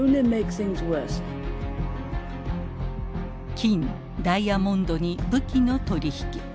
金ダイヤモンドに武器の取り引き。